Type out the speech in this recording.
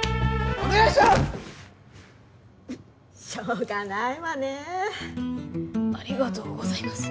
プッしょうがないわねえありがとうございます